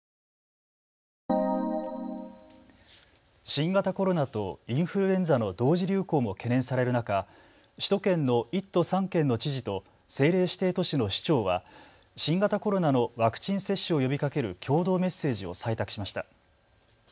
新型コロナとインフルエンザの同時流行も懸念される中、首都圏の１都３県の知事と政令指定都市の市長は新型コロナのワクチン接種を呼びかける共同メッセージを採択しました。